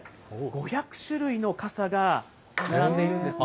５００種類の傘が並んでいるんですね。